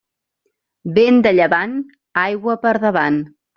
Vent de llevant, aigua per davant.